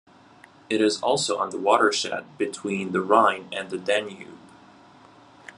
It is also on the watershed between the Rhine and Danube.